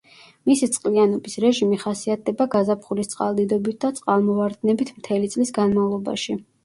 მისი წყლიანობის რეჟიმი ხასიათდება გაზაფხულის წყალდიდობით და წყალმოვარდნებით მთელი წლის განმავლობაში.